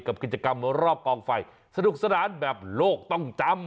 กับกิจกรรมรอบกองไฟสนุกสนานแบบโลกต้องจำ